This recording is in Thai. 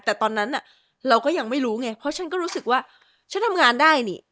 แต่ตอนนั้นเราก็ยังไม่รู้ไงเพราะฉันก็รู้สึกว่าฉันทำงานได้นี่